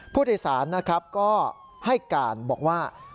ผู้โดยสารก็ให้การบอกว่า